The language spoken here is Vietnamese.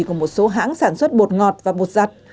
của một số hãng sản xuất bột ngọt và bột giặt